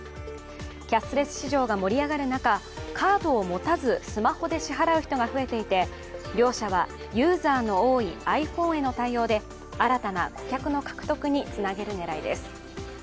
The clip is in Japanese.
キャッシュレス市場が盛り上がる中、カードを持たずスマホで支払う人が増えていて両社は、ユーザーの多いｉＰｈｏｎｅへの対応で新たな顧客の獲得につなげる狙いです。